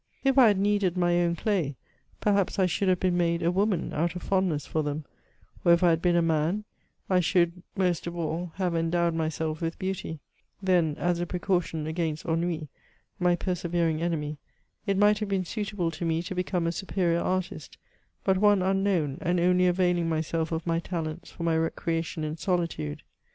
If I had kneaded my own clay, pepiiaps I should have been made a woman, out of fondness fdr theni ; or if I had been a man, I abould, i^t of all, have endowed myself with beauty; then, as a precaution against ennui, my per severing enemy, it might have been suitable to me to become a superior artist^ but one unknown, and only availing myself of my talents for my recreation in solitude.